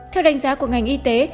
theo đánh giá của ngành y tế